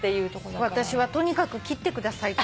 私はとにかく切ってくださいって言った。